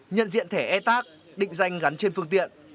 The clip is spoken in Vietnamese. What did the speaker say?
nhận diện thẻ e tac định danh gắn trên phương tiện